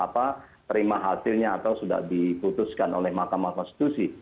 terima hasilnya atau sudah diputuskan oleh mahkamah konstitusi